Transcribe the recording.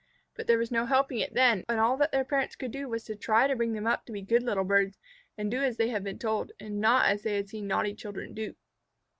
But there was no helping it then, and all that their parents could do was to try to bring them up to be good little birds, and do as they had been told, and not as they had seen naughty children do.